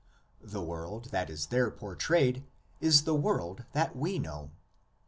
The world that is there portrayed is the world that we know.